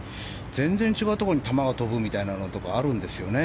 全然違うところに球が飛ぶみたいなのがあるんですよね。